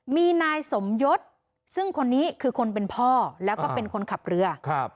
มีนายสมยศซึ่งคนนี้คือคนเป็นพ่อแล้วก็เป็นคนขับเรือ